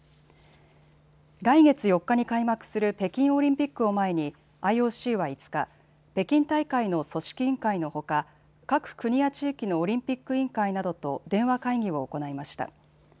来月４日に開幕する北京オリンピックを前にＩＯＣは５日、北京大会の組織委員会のほか各国や地域のオリンピック委員会などと電話会議を行いました。